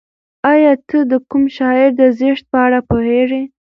ایا ته د کوم شاعر د زېږد په اړه پوهېږې؟